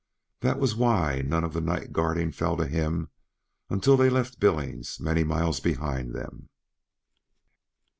That was why none of the night guarding fell to him until they had left Billings many miles behind them.